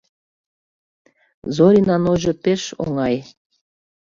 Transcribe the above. — Зоринан ойжо пеш оҥай.